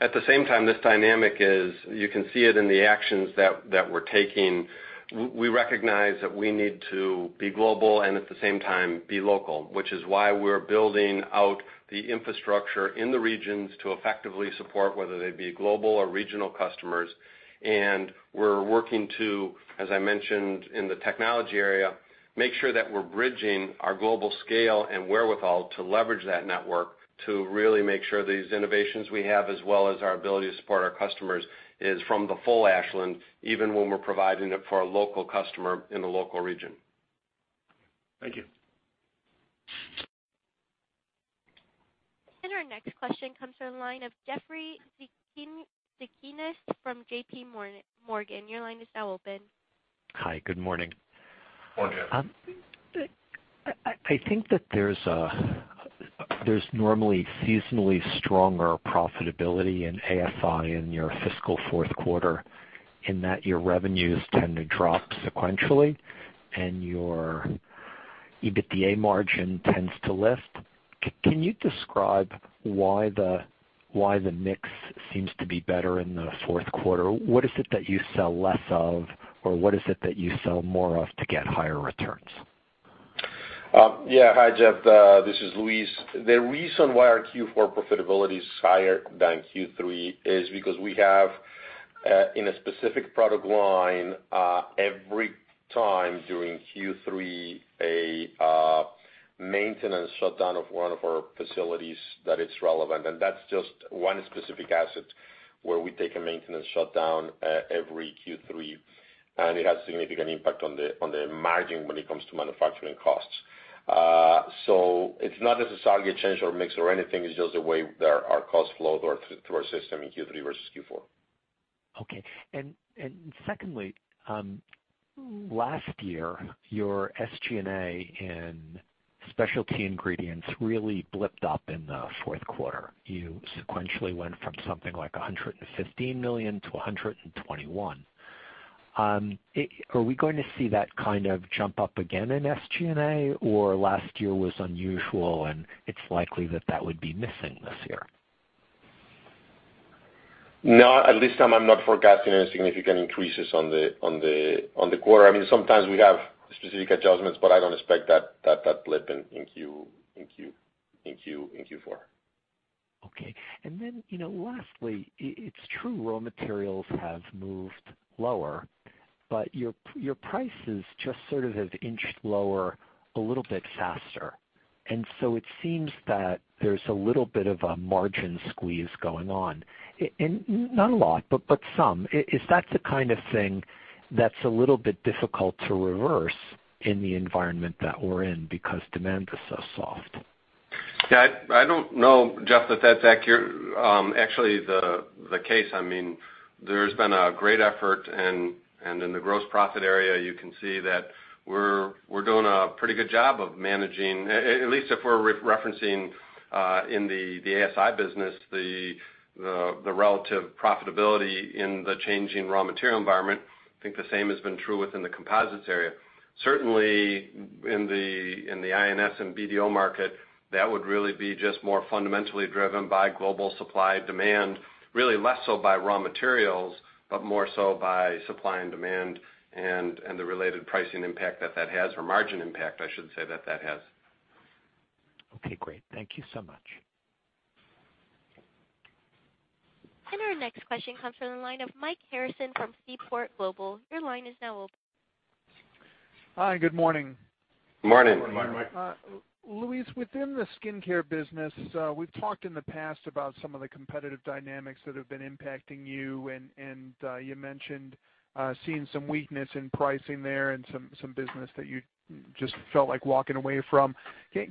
At the same time, this dynamic is, you can see it in the actions that we're taking. We recognize that we need to be global and at the same time be local, which is why we're building out the infrastructure in the regions to effectively support, whether they be global or regional customers. We're working to, as I mentioned in the technology area, make sure that we're bridging our global scale and wherewithal to leverage that network to really make sure these innovations we have, as well as our ability to support our customers, is from the full Ashland, even when we're providing it for a local customer in the local region. Thank you. Our next question comes from the line of Jeffrey Zekauskas from J.P. Morgan. Your line is now open. Hi, good morning. Morning. I think that there's normally seasonally stronger profitability in ASI in your fiscal fourth quarter, in that your revenues tend to drop sequentially and your EBITDA margin tends to lift. Can you describe why the mix seems to be better in the fourth quarter? What is it that you sell less of, or what is it that you sell more of to get higher returns? Yeah. Hi, Jeffrey. This is Luis. The reason why our Q4 profitability is higher than Q3 is because we have, in a specific product line, every time during Q3, a maintenance shutdown of one of our facilities that it's relevant. That's just one specific asset where we take a maintenance shutdown every Q3, and it has significant impact on the margin when it comes to manufacturing costs. It's not necessarily a change or mix or anything, it's just the way that our costs flow through our system in Q3 versus Q4. Okay. Secondly, last year, your SG&A in Specialty Ingredients really blipped up in the fourth quarter. You sequentially went from something like $115 million to $121 million. Are we going to see that kind of jump up again in SG&A, or last year was unusual, and it's likely that that would be missing this year? No, at least I'm not forecasting any significant increases on the quarter. Sometimes we have specific adjustments, I don't expect that blip in Q4. Okay. Lastly, it's true raw materials have moved lower, your prices just sort of have inched lower a little bit faster. It seems that there's a little bit of a margin squeeze going on. Not a lot, some. Is that the kind of thing that's a little bit difficult to reverse in the environment that we're in because demand is so soft? I don't know, Jeff, that that's actually the case. There's been a great effort, in the gross profit area, you can see that we're doing a pretty good job of managing. At least if we're referencing in the ASI business, the relative profitability in the changing raw material environment. I think the same has been true within the composites area. Certainly, in the I&S and BDO market, that would really be just more fundamentally driven by global supply, demand, really less so by raw materials, more so by supply and demand and the related pricing impact that that has, or margin impact, I should say that that has. Okay, great. Thank you so much. Our next question comes from the line of Mike Harrison from Seaport Global. Your line is now open. Hi, good morning. Morning. Morning, Mike. Luis, within the skincare business, we've talked in the past about some of the competitive dynamics that have been impacting you, and you mentioned seeing some weakness in pricing there and some business that you just felt like walking away from.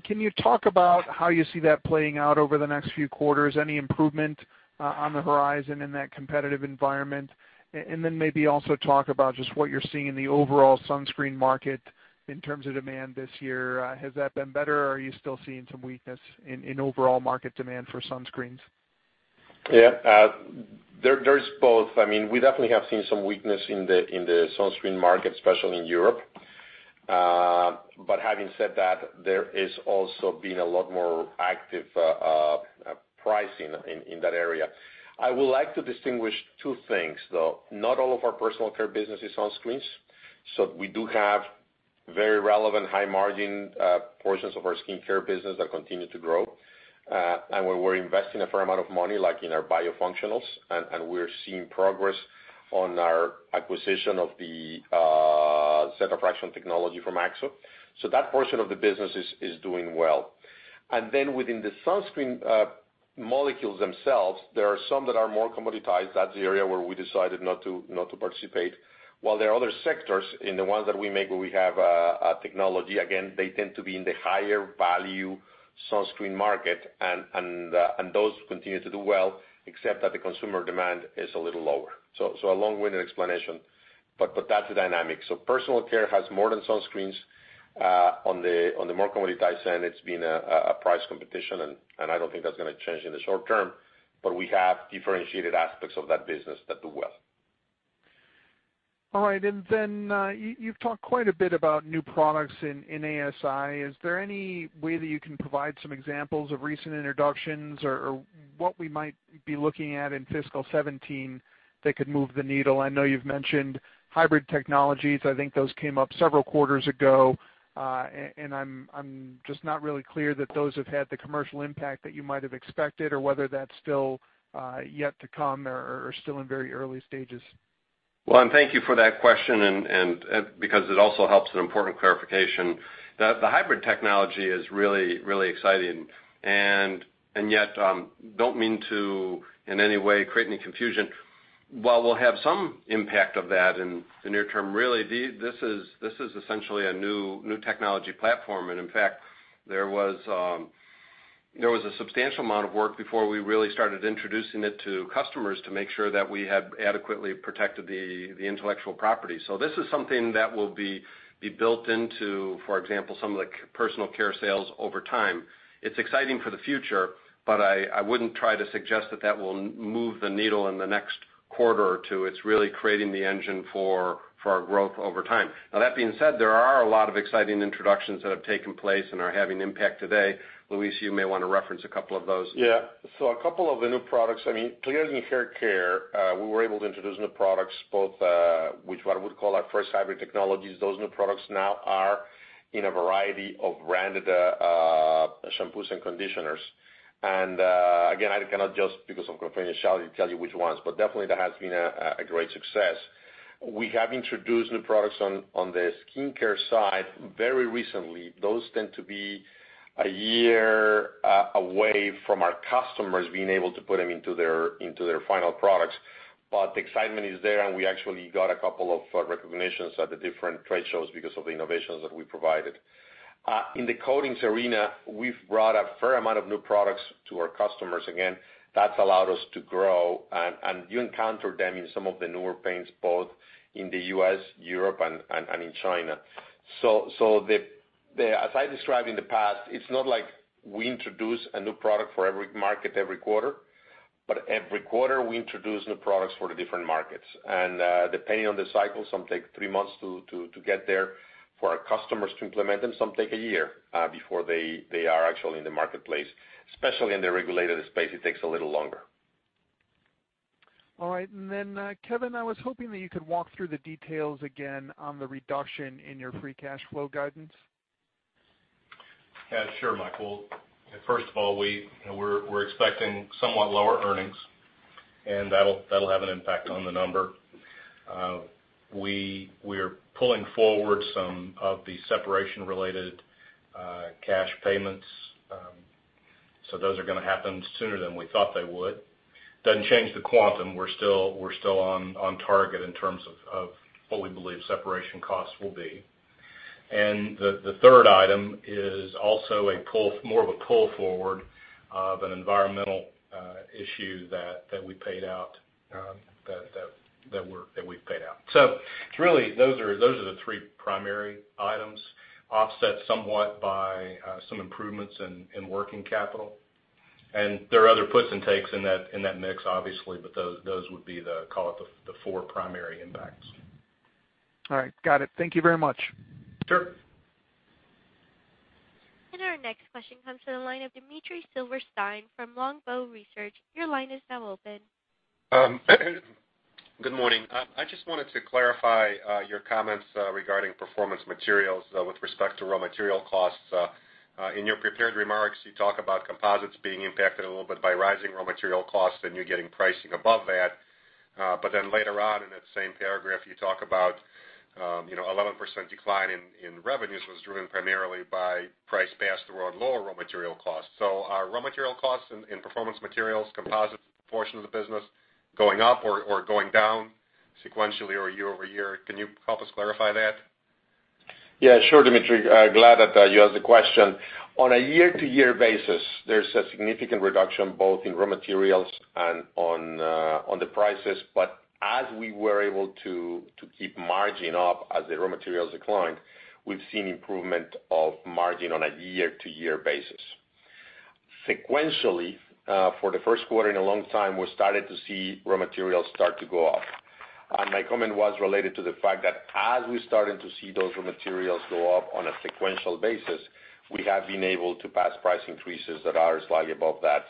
Can you talk about how you see that playing out over the next few quarters? Any improvement on the horizon in that competitive environment? Maybe also talk about just what you're seeing in the overall sunscreen market in terms of demand this year. Has that been better, or are you still seeing some weakness in overall market demand for sunscreens? Yeah. There's both. We definitely have seen some weakness in the sunscreen market, especially in Europe. Having said that, there has also been a lot more active pricing in that area. I would like to distinguish two things, though. Not all of our personal care business is sunscreens. We do have very relevant high-margin portions of our skincare business that continue to grow. We're investing a fair amount of money, like in our biofunctionals, and we're seeing progress on our acquisition of the set of fraction technology from Akzo. That portion of the business is doing well. Within the sunscreen molecules themselves, there are some that are more commoditized. That's the area where we decided not to participate. While there are other sectors in the ones that we make where we have technology, again, they tend to be in the higher value sunscreen market, and those continue to do well, except that the consumer demand is a little lower. A long-winded explanation, but that's the dynamic. Personal care has more than sunscreens. On the more commoditized end, it's been a price competition, and I don't think that's gonna change in the short term. We have differentiated aspects of that business that do well. All right. You've talked quite a bit about new products in ASI. Is there any way that you can provide some examples of recent introductions or what we might be looking at in fiscal 2017 that could move the needle? I know you've mentioned hybrid technologies. I think those came up several quarters ago. I'm just not really clear that those have had the commercial impact that you might have expected or whether that's still yet to come or still in very early stages. Well, thank you for that question, because it also helps an important clarification. The hybrid technology is really exciting, and yet don't mean to, in any way, create any confusion. While we'll have some impact of that in the near term, really, this is essentially a new technology platform, and in fact, there was a substantial amount of work before we really started introducing it to customers to make sure that we have adequately protected the intellectual property. This is something that will be built into, for example, some of the personal care sales over time. It's exciting for the future, but I wouldn't try to suggest that that will move the needle in the next quarter or two. It's really creating the engine for our growth over time. That being said, there are a lot of exciting introductions that have taken place and are having impact today. Luis, you may want to reference a couple of those. A couple of the new products, ClearHance C hair care, we were able to introduce new products, both which I would call our first hybrid technologies. Those new products now are in a variety of branded shampoos and conditioners. Again, I cannot just because of confidentiality tell you which ones, but definitely that has been a great success. We have introduced new products on the skincare side very recently. Those tend to be a year away from our customers being able to put them into their final products. The excitement is there, and we actually got a couple of recognitions at the different trade shows because of the innovations that we provided. In the coatings arena, we've brought a fair amount of new products to our customers. Again, that's allowed us to grow, and you encounter them in some of the newer paints, both in the U.S., Europe, and in China. As I described in the past, it's not like we introduce a new product for every market every quarter, but every quarter we introduce new products for the different markets. Depending on the cycle, some take 3 months to get there for our customers to implement them. Some take a year before they are actually in the marketplace, especially in the regulated space, it takes a little longer. Kevin, I was hoping that you could walk through the details again on the reduction in your free cash flow guidance. Yeah, sure, Mike. Well, first of all, we're expecting somewhat lower earnings, that'll have an impact on the number. We're pulling forward some of the separation-related cash payments. Those are gonna happen sooner than we thought they would. Doesn't change the quantum. We're still on target in terms of what we believe separation costs will be. The third item is also more of a pull forward of an environmental issue that we paid out. Really, those are the three primary items, offset somewhat by some improvements in working capital. There are other puts and takes in that mix, obviously, but those would be the, call it, the four primary impacts. All right. Got it. Thank you very much. Sure. Our next question comes to the line of Dmitry Silversteyn from Longbow Research. Your line is now open. Good morning. I just wanted to clarify your comments regarding Performance Materials with respect to raw material costs. In your prepared remarks, you talk about composites being impacted a little bit by rising raw material costs, you getting pricing above that. Later on in that same paragraph, you talk about 11% decline in revenues was driven primarily by price passed through on lower raw material costs. Are raw material costs in Performance Materials, composites portion of the business, going up or going down sequentially or year-over-year? Can you help us clarify that? Yeah, sure, Dmitry. Glad that you asked the question. On a year-to-year basis, there's a significant reduction both in raw materials and on the prices. As we were able to keep margin up as the raw materials declined, we've seen improvement of margin on a year-to-year basis. Sequentially, for the first quarter in a long time, we started to see raw materials start to go up. My comment was related to the fact that as we started to see those raw materials go up on a sequential basis, we have been able to pass price increases that are slightly above that.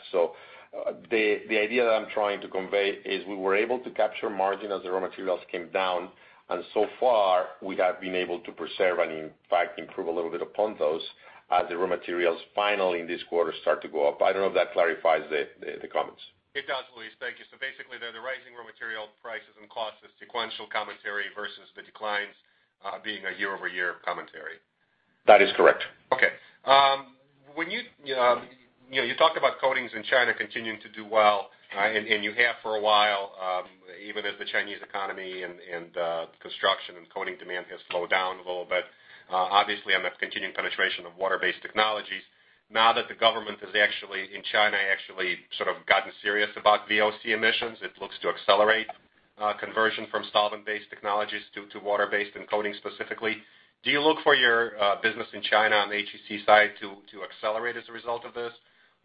The idea that I'm trying to convey is we were able to capture margin as the raw materials came down, and so far, we have been able to preserve and in fact, improve a little bit upon those as the raw materials finally in this quarter start to go up. I don't know if that clarifies the comments. It does, Luis. Thank you. Basically, they're the rising raw material prices and costs is sequential commentary versus the declines being a year-over-year commentary. That is correct. Okay. You talked about coatings in China continuing to do well, and you have for a while, even as the Chinese economy and construction and coating demand has slowed down a little bit. Obviously, on the continuing penetration of water-based technologies, now that the government in China actually sort of gotten serious about VOC emissions, it looks to accelerate conversion from solvent-based technologies to water-based and coating specifically. Do you look for your business in China on the HEC side to accelerate as a result of this,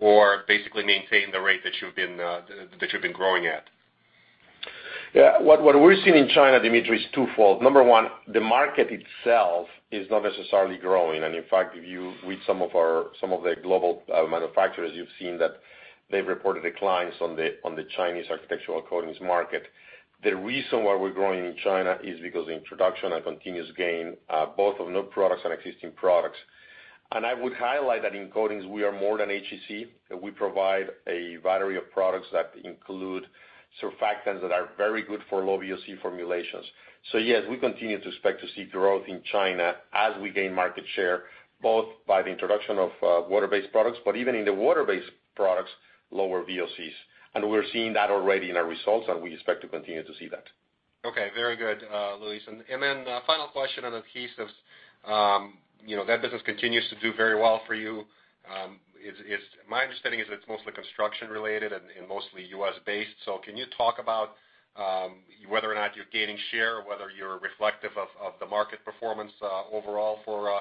or basically maintain the rate that you've been growing at? Yeah. What we're seeing in China, Dmitry, is twofold. Number one, the market itself is not necessarily growing. In fact, if you read some of the global manufacturers, you've seen that they've reported declines on the Chinese architectural coatings market. The reason why we're growing in China is because the introduction and continuous gain, both of new products and existing products. I would highlight that in coatings, we are more than HEC. We provide a variety of products that include surfactants that are very good for low VOC formulations. Yes, we continue to expect to see growth in China as we gain market share, both by the introduction of water-based products, but even in the water-based products, lower VOCs. We're seeing that already in our results, and we expect to continue to see that. Okay. Very good, Luis. Then final question on adhesives. That business continues to do very well for you. My understanding is it's mostly construction related and mostly U.S.-based. Can you talk about whether or not you're gaining share or whether you're reflective of the market performance overall for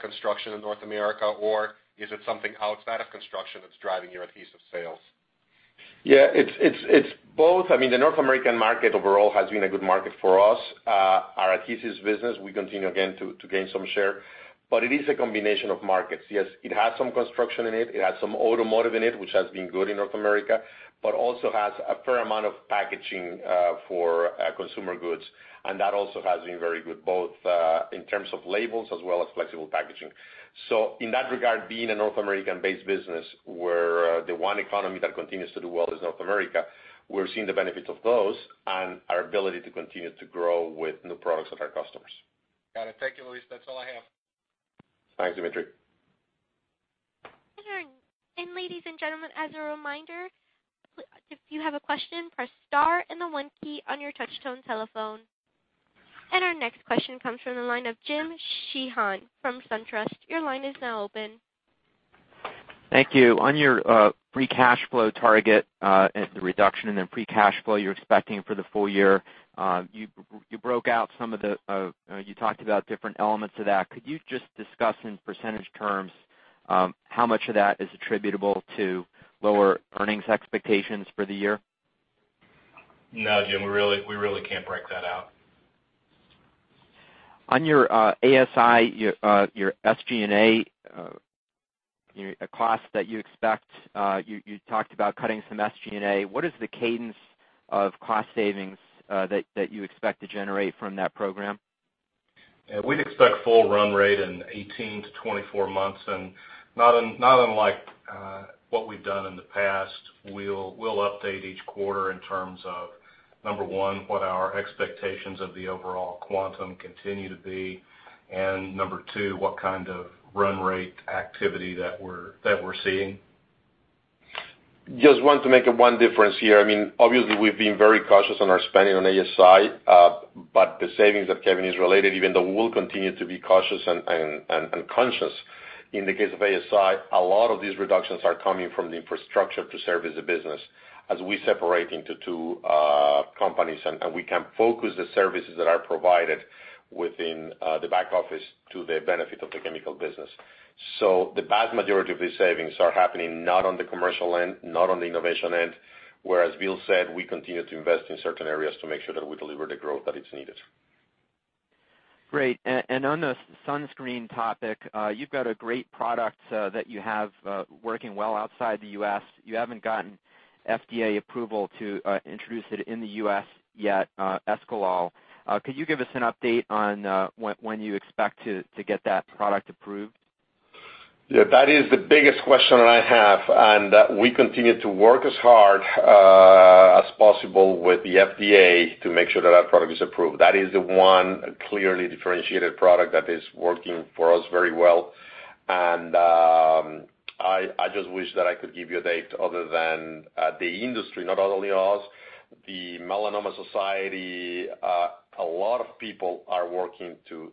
construction in North America? Is it something outside of construction that's driving your adhesive sales? Yeah, it's both. The North American market overall has been a good market for us. Our adhesives business, we continue again to gain some share, but it is a combination of markets. Yes, it has some construction in it. It has some automotive in it, which has been good in North America, but also has a fair amount of packaging for consumer goods, and that also has been very good, both in terms of labels as well as flexible packaging. In that regard, being a North American-based business where the one economy that continues to do well is North America, we're seeing the benefits of those and our ability to continue to grow with new products of our customers. Got it. Thank you, Luis. That's all I have. Thanks, Dmitry. Ladies and gentlemen, as a reminder, if you have a question, press star and the one key on your touch tone telephone. Our next question comes from the line of James Sheehan from SunTrust. Your line is now open. Thank you. On your free cash flow target, the reduction in the free cash flow you're expecting for the full year, you talked about different elements of that. Could you just discuss in percentage terms how much of that is attributable to lower earnings expectations for the year? No, Jim, we really can't break that out. On your ASI, your SG&A cost that you expect, you talked about cutting some SG&A. What is the cadence of cost savings that you expect to generate from that program? We'd expect full run rate in 18-24 months. Not unlike what we've done in the past, we'll update each quarter in terms of, number one, what our expectations of the overall quantum continue to be, number two, what kind of run rate activity that we're seeing. Just want to make one difference here. Obviously, we've been very cautious on our spending on ASI. The savings that Kevin has related, even though we'll continue to be cautious and conscious in the case of ASI, a lot of these reductions are coming from the infrastructure to serve as a business as we separate into two companies. We can focus the services that are provided within the back office to the benefit of the chemical business. The vast majority of these savings are happening not on the commercial end, not on the innovation end, where, as Bill said, we continue to invest in certain areas to make sure that we deliver the growth that is needed. Great. On the sunscreen topic, you've got a great product that you have working well outside the U.S. You haven't gotten FDA approval to introduce it in the U.S. yet, Escalol. Could you give us an update on when you expect to get that product approved? That is the biggest question that I have, we continue to work as hard as possible with the FDA to make sure that our product is approved. That is the one clearly differentiated product that is working for us very well. I just wish that I could give you a date other than the industry, not only us. The Melanoma Society, a lot of people are working to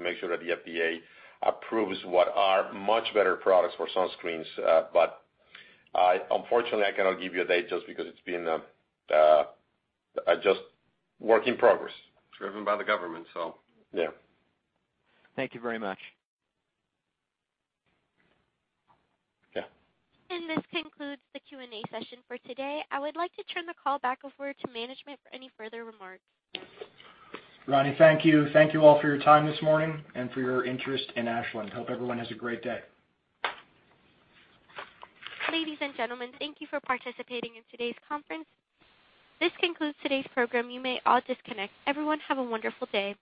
make sure that the FDA approves what are much better products for sunscreens. Unfortunately, I cannot give you a date just because it's been a work in progress. Driven by the government. Yeah. Thank you very much. Yeah. This concludes the Q&A session for today. I would like to turn the call back over to management for any further remarks. Roni, thank you. Thank you all for your time this morning and for your interest in Ashland. Hope everyone has a great day. Ladies and gentlemen, thank you for participating in today's conference. This concludes today's program. You may all disconnect. Everyone have a wonderful day.